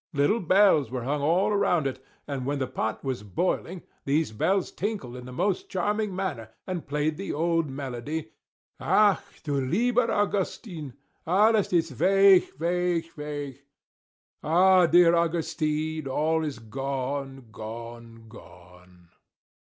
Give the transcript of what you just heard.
Little bells were hung all round it; and when the pot was boiling, these bells tinkled in the most charming manner, and played the old melody, "Ach! du lieber Augustin, Alles ist weg, weg, weg!"* * "Ah! dear Augustine! All is gone, gone, gone!"